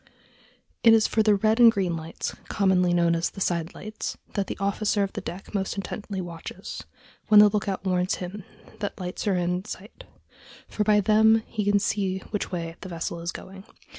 It is for the red and green lights, commonly known as the side lights, that the officer of the deck most intently watches (when the lookout warns him that lights are in sight), for by them he can tell which way the vessel is going.